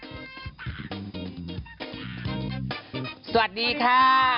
สวัสดีค่ะ